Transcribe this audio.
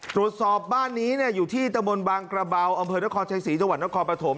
ตรวจสอบบ้านนี้อยู่ที่ตะบนบางกระเบาอำเภอนครชัยศรีจังหวัดนครปฐม